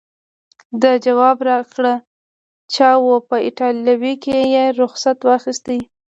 ده ځواب راکړ: چاو، په ایټالوي کې یې رخصت واخیست.